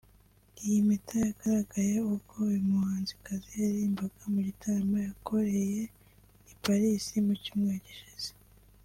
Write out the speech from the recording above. Iyi mpeta yagaragaye ubwo uyu muhanzikazi yaririmbaga mu gitaramo yakoreye i Paris mu cyumweru gishize